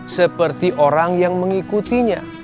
seperti orang yang mengikutinya